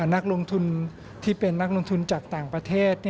นักลงทุนที่เป็นนักลงทุนจากต่างประเทศ